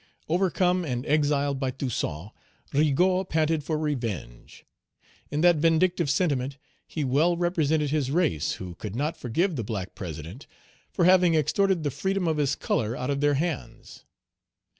Overcome and exiled by Toussaint, Rigaud panted for revenge. In that vindictive sentiment, he well represented his race, who could not forgive the black President for having extorted the freedom of his color out of their hands.